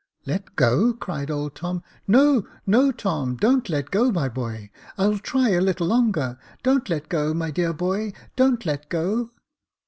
" Let go !" cried old Tom ;" no, no, Tom — don't let go, my boy ; I'll try a little longer. Don't let go, my dear boy — don't let go